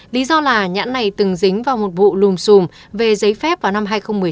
lý do là nhãn này từng dính vào một vụ lùm xùm về giấy phép vào năm hai nghìn một mươi năm